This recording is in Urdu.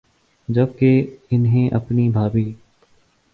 جب کہ انہیں اپنی بھابھی